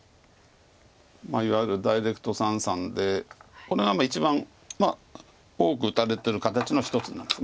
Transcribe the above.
いわゆるダイレクト三々でこれは一番多く打たれてる形の一つなんです。